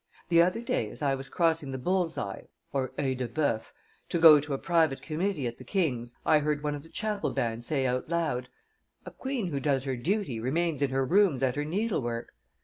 The other day, as I was crossing the Bull's Eye (Eil de Boeuf), to go to a private committee at the king's, I heard one of the chapel band say out loud, 'A queen who does her duty remains in her rooms at her needlework.